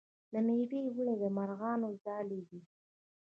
د میوو ونې د مرغانو ځالې دي.